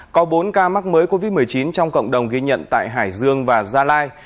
có bốn ca mắc mới covid một mươi chín trong cộng đồng ghi nhận tại hải dương và gia lai